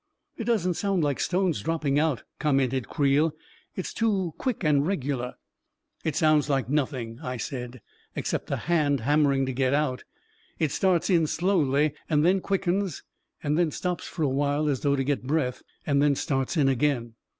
" It doesn't sound like stones dropping out," com mented CreeL " It's too quick and regular." A KING IN BABYLON 323 " It sounds like nothing," I said, " except a hand hammering to get out. It starts in slowly, and then quickens, and then stops for a while as though to get breath, and then starts in again."